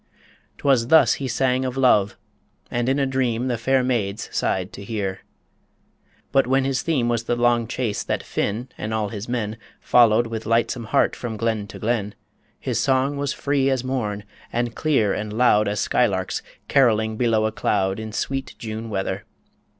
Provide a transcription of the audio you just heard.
'Twas thus he sang of love, and in a dream The fair maids sighed to hear. But when his theme Was the long chase that Finn and all his men Followed with lightsome heart from glen to glen His song was free as morn, and clear and loud As skylarks carolling below a cloud In sweet June weather